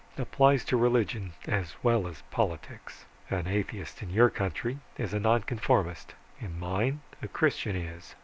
Applies to religion as well as politics. An atheist in your country is a nonconformist in mine, a Christian is.